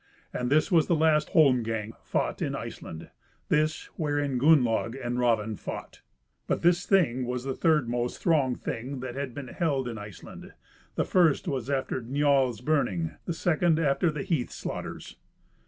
And this was the last holmgang fought in Iceland, this, wherein Gunnlaug and Raven fought. But this Thing was the third most thronged Thing that has been held in Iceland; the first was after Njal's burning, the second after the Heath slaughters.